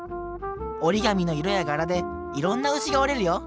折り紙の色や柄でいろんなうしが折れるよ！